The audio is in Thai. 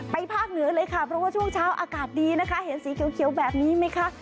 ภาคเหนือเลยค่ะเพราะว่าช่วงเช้าอากาศดีนะคะเห็นสีเขียวแบบนี้ไหมคะ